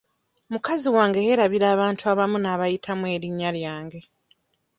Mukazi wange yeerabira abantu abamu n'abayitamu erinnya lyange.